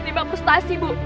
dima frustasi bu